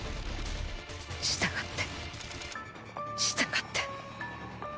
従って従って